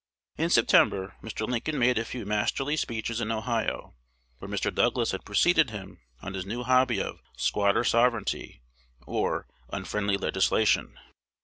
In September Mr. Lincoln made a few masterly speeches in Ohio, where Mr. Douglas had preceded him on his new hobby of "squatter sovereignty," or "unfriendly legislation."